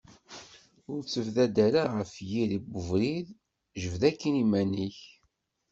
Ur ttebdad ara ɣef yiri n ubrid, jbed akin iman-ik.